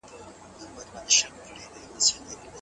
ښه عادتونه باید په ژوند کې ډیر شي.